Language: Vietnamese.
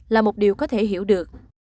là một điều có thể hiểu được